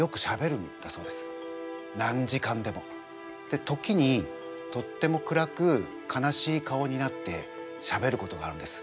で時にとっても暗く悲しい顔になってしゃべることがあるんです。